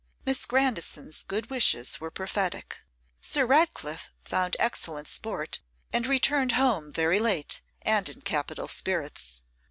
Miss Grandison's good wishes were prophetic: Sir Ratcliffe found excellent sport, and returned home very late, and in capital spirits.